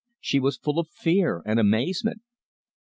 She was full of fear and amazement.